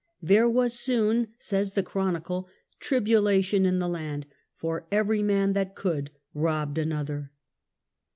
"There was soon", says the Chronicle, "tribulation in the land, for every man that could soon robbed another."